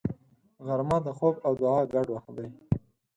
غرمه د خوب او دعا ګډ وخت دی